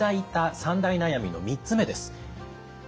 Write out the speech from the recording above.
３大悩みの３つ目です。